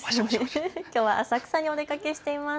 きょうは浅草にお出かけしています。